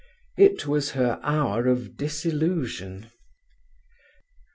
It was her hour of disillusion.